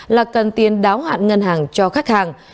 là cần tiền đáo hạn ngân hàng cho khách hàng